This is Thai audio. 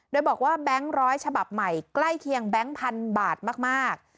โดยบอกว่าแบงค์ร้อยฉบับใหม่ใกล้เคียงแบงค์พันบาทมาก